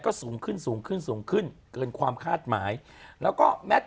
ก็สูงขึ้นสูงขึ้นสูงขึ้นเกินความคาดหมายแล้วก็แมท